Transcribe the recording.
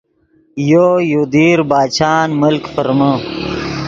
یو، یو دیر باچان ملک ڤرمے